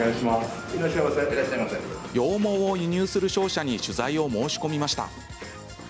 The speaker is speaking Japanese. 羊毛を輸入する商社に取材を申し込みました。